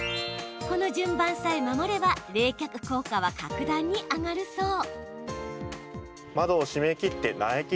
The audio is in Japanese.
この順番さえ守れば冷却効果は格段に上がるそう。